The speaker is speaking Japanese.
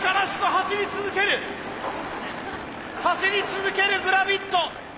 走り続けるグラビット。